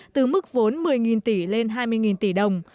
từ mức vốn một mươi tỷ lên hai mươi tỷ đồng